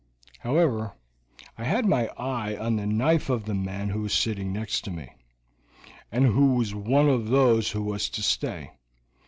"However, I had my eye on the knife of the man who was sitting next to me, and who was one of those who was to stay.